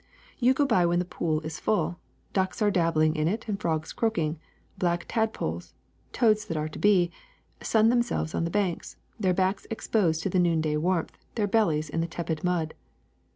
^^You go by when the pool is full. Ducks are dabbling in it and frogs croaking; black tadpoles, toads that are to be, sun themselves on the banks, their backs exposed to the noonday warmth, their bellies in the tepid mud.